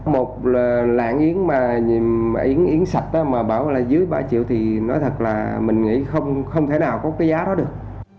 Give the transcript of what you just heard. một là lạng yến mà yến sạch đó mà bảo là dưới ba triệu thì nói thật là mình nghĩ không thể nào có cái giá đó được